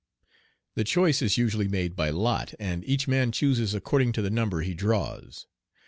The choice is usually made by lot, and each man chooses according to the number he draws.